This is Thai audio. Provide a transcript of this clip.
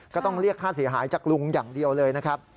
ก็ต้องเรียกค่าเสียหายจากลุงอย่างเดียวเลยนะครับ